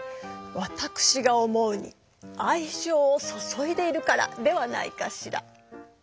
わたくしが思うに「あいじょうをそそいでいるから」ではないかしら。